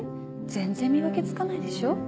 全然見分けつかないでしょ。